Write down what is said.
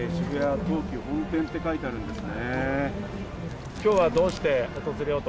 渋谷・東急本店」と書いてあるんですね。